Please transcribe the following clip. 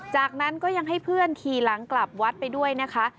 จากนั้นก็ยังให้เพื่อนขี่หลังกลับวัดไปด้วยนะคะ